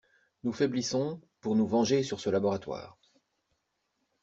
Nous faiblissons pour nous venger sur ce laboratoire.